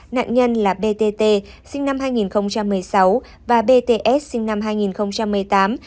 nạn nhân là btt sinh năm hai nghìn một mươi sáu và bts sinh năm hai nghìn một mươi tám